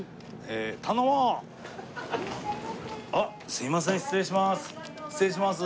すみません失礼します。